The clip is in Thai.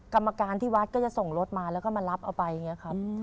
กรรมการที่วัดก็จะส่งรถมาแล้วก็มารับเอาไปอย่างนี้ครับ